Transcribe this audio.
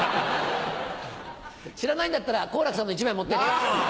知らないんだったら好楽さんも１枚持ってって。